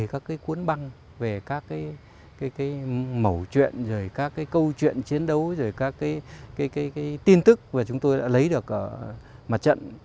cuốn băng về các cái mẫu chuyện rồi các cái câu chuyện chiến đấu rồi các cái tin tức mà chúng tôi đã lấy được ở mặt trận